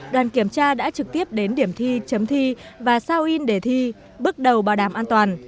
đoàn kiểm tra đã trực tiếp đến điểm thi chấm thi và sao in để thi bước đầu bảo đảm an toàn